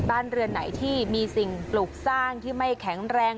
บ้านเรือนไหนที่มีสิ่งปลูกสร้างที่ไม่แข็งแรง